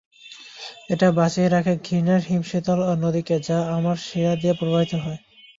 এটা বাঁচিয়ে রাখে ঘৃণার হিমশীতল নদীকে যা আমার শিরা দিয়ে প্রবাহিত হয়।